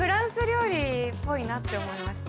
っぽいなって思いました